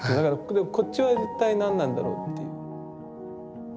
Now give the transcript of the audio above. こっちは一体何なんだろうっていう。